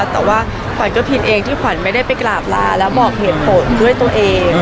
แต่ว่าขวัญก็พิมพ์เองที่ขวัญไม่ได้ไปกราบลาแล้วบอกเหตุผลด้วยตัวเอง